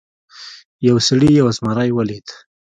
یو سړي یو زمری ولید.